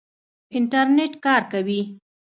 انټرنېټ کار کوي؟